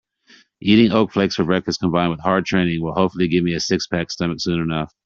Eating oat flakes for breakfast combined with hard training will hopefully give me a six-pack stomach soon enough.